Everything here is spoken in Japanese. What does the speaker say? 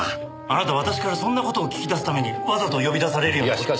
あなた私からそんな事を聞き出すためにわざと呼び出されるような事を。